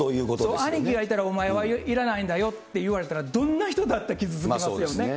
兄貴がいたらお前はいらないんだよって言われたら、どんな人だって傷つきますよね。